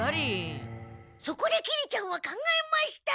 そこできりちゃんは考えました。